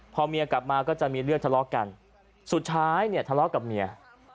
พอเมียกลับมาก็จะมีเรื่องทะเลาะกันสุดท้ายเนี่ยทะเลาะกับเมีย